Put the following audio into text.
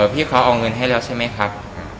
พี่เขาเอาเงินให้แล้วใช่ไหมครับ